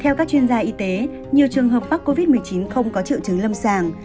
theo các chuyên gia y tế nhiều trường hợp bác covid một mươi chín không có trự trứng lâm sàng